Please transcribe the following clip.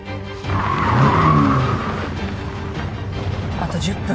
あと１０分。